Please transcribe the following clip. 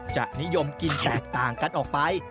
จะนิยมกินแตกต่างกันออกไป